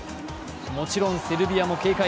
もちろんセルビアも警戒。